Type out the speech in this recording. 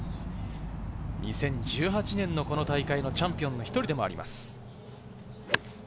２０１８年のこの大会のチャンピオンの１人でもあります。